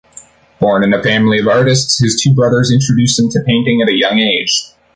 Born in a family of artists, his two brothers introduce him to painting at a young age.